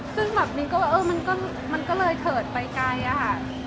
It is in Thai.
ซึ่งมินก็เลยเผลดไปไกล